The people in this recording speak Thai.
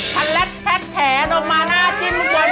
ทันประสบความพัดแหน่งลงมาหน้าจิ้มทุกคน